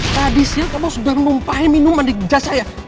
tadi siang kamu sudah ngumpahi minuman di kerja saya